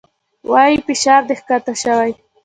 وايي فشار دې کښته شوى.